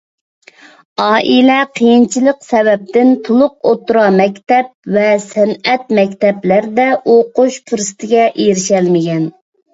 ئائىلە قىيىنچىلىق سەۋەبىدىن تولۇق ئوتتۇرا مەكتەپ ۋە سەنئەت مەكتەپلىرىدە ئوقۇش پۇرسىتىگە ئېرىشەلمىگەن.